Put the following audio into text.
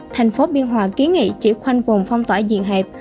thành phố biên hòa kiến nghị chỉ khoanh vùng phong tỏa diện hẹp